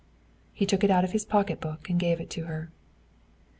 He took out his pocket book and gave it to her.